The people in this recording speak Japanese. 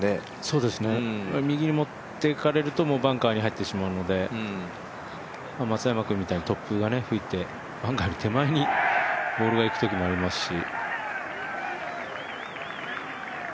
そうですね、右に持っていかれるともうバンカーに入ってしまうので松山君みたいに突風が吹いてバンカー手前にボールがいくときもありますし。